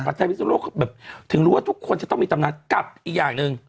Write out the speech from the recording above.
ไทยพิศนโลกเขาแบบถึงรู้ว่าทุกคนจะต้องมีตำนานกับอีกอย่างหนึ่ง